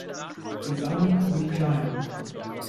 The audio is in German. Die Samen sind klein.